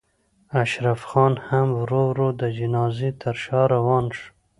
اشرف خان هم ورو ورو د جنازې تر شا روان شو.